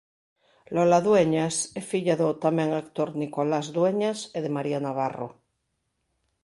Lola Dueñas é filla do tamén actor Nicolás Dueñas e de María Navarro.